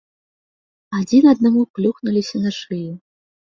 Адзін аднаму плюхнуліся на шыю.